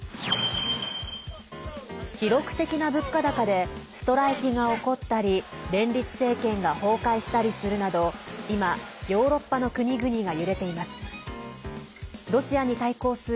記録的な物価高でストライキが起こったり連立政権が崩壊したりするなど今、ヨーロッパの国々が揺れています。